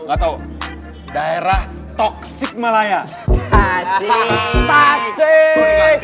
atau daerah toksik malaya asyik